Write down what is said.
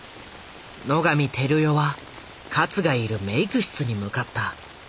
野上照代は勝がいるメイク室に向かった。